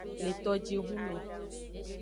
Le tojihun me.